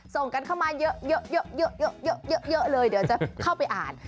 ส่งกันเข้ามาเยอะเลยเดี๋ยวจะเข้าไปอ่าน